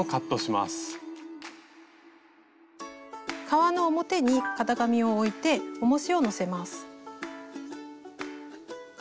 革の表に型紙を置いておもしをのせます。